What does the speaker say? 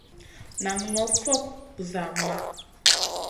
Nan ŋòm fokŋ busa maʼh.